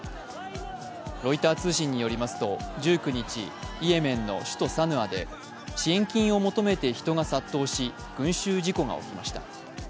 ロイター通信によりますと１９日、イエメン首都サヌアで支援金を求めて人が殺到し群集事故が起きました。